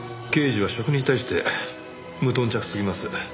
刑事は食に対して無頓着すぎます。